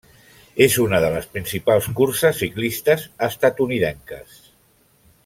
És una de les principals curses ciclistes estatunidenques.